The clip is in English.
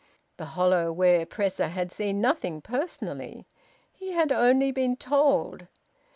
The hollow ware presser had seen nothing personally; he had only been told.